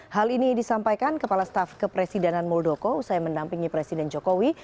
hal ini disampaikan kepala staf kepresidenan muldoko usai mendampingi presiden jokowi